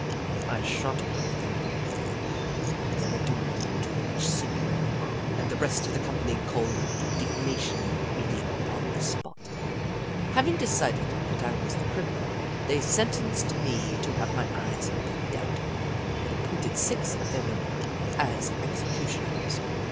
I shot one of them one day, when they were doing too much singing, and the rest of the company called an indignation meeting on the spot. Having decided that I was the criminal. Jim Crow 123 they sentenced me to have my eyes pecked out and appointed six of their number as exe cutioners.